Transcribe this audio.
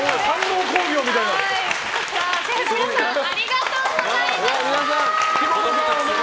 シェフの皆さんありがとうございました。